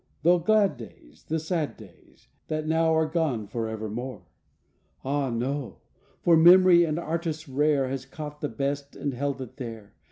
The glad days The sad days That now are gone forevermore? Ah no! for memory an artist rare Has caught the best and held it there.